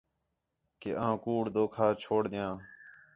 کہ آں کُوڑ، دھوکا چھوڑ دیان